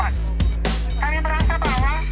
kami merasa bahwa